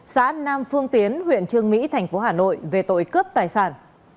xã nam phương tiến huyện trương mỹ thành phố hà nội về tội cướp tài sản